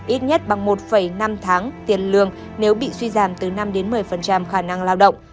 ít nhất bằng một năm tháng tiền lương nếu bị suy giảm từ năm một mươi khả năng lao động